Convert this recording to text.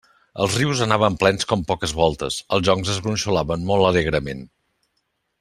Els rius anaven plens com poques voltes; els joncs es gronxolaven molt alegrement.